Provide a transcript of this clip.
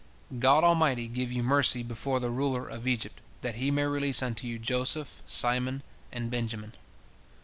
God Almighty give you mercy before the ruler of Egypt, that he may release unto you Joseph, Simon, and Benjamin."